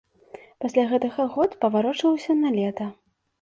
Пасля гэтага год паварочваўся на лета.